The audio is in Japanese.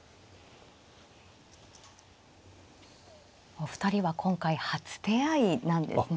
お二人は今回初手合いなんですね。